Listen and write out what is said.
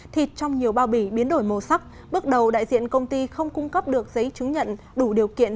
thịt trong nhiều bao bì biến đổi màu sắc bước đầu đại diện công ty không cung cấp được giấy chứng nhận đủ điều kiện